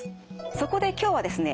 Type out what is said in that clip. そこで今日はですね